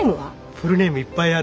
フルネームいっぱいある。